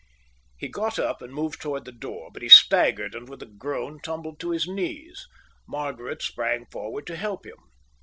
He got up and moved towards the door, but he staggered and with a groan tumbled to his knees. Margaret sprang forward to help him.